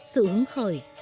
sự hứng khởi